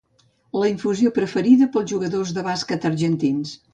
La infusió preferida pels jugadors de bàsquet argentins.